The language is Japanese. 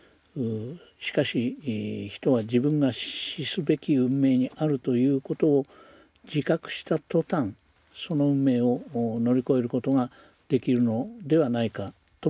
しかし人は自分が死すべき運命にあるということを自覚した途端その運命を乗り越えることができるのではないかとも思いました。